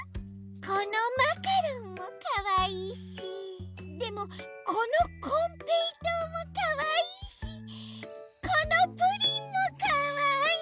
このマカロンもかわいいしでもこのこんぺいとうもかわいいしこのプリンもかわいい！